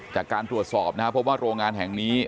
จากการตรวจสอบนะครับพบว่าโรงงานแห่งนี้